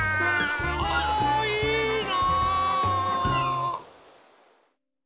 あいいな。